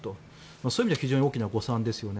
そういう意味では大きな誤算ですよね。